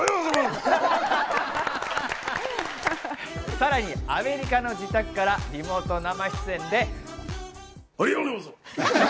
さらにアメリカの自宅からリモート生出演で。